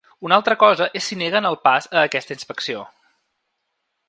Una altra cosa és si neguen el pas a aquesta inspecció.